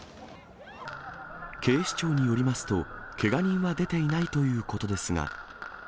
警視庁によりますと、けが人は出ていないということですが。